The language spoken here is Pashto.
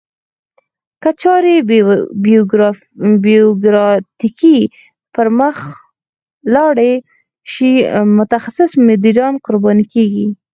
که چارې بیوروکراتیکي پرمخ ولاړې شي متخصص مدیران قرباني کیږي.